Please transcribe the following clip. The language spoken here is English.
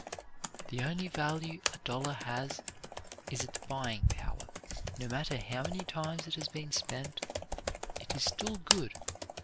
The only value a dollar has is its buying power. "No matter how many times it has been spent, it is still good."